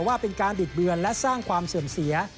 ว่าเป็นการบิดเบือนและสร้างความเสื่อมเสีย